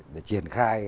để triển khai